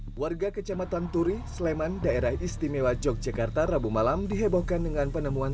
hai warga kecamatan turi sleman daerah istimewa yogyakarta rabu malam dihebohkan dengan penemuan